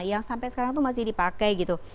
yang sampai sekarang tuh masih dipakai gitu